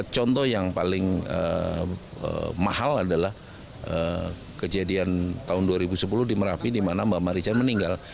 contoh yang paling mahal adalah kejadian tahun dua ribu sepuluh di merapi di mana mbak marican meninggal